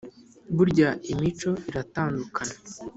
Burya imico iratandukana,